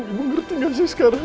ibu ngerti gak sih sekarang